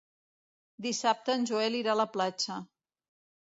Dissabte en Joel irà a la platja.